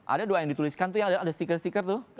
ada doa yang dituliskan tuh yang ada stiker stiker tuh